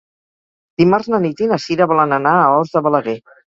Dimarts na Nit i na Sira volen anar a Os de Balaguer.